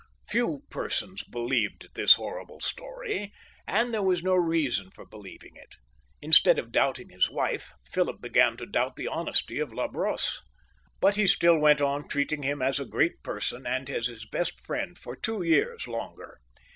No one believed this horrible story, and there was no reason for beUeving it. Instead of doubting his wife, Philip began to doubt the honesty of La Brosse. But he still went on treating him as a great person and his best friend for two years longer.